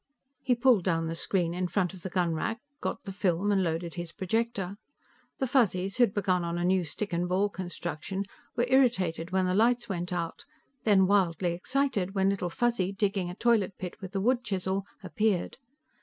He pulled down the screen in front of the gunrack, got the film and loaded his projector. The Fuzzies, who had begun on a new stick and ball construction, were irritated when the lights went out, then wildly excited when Little Fuzzy, digging a toilet pit with the wood chisel, appeared.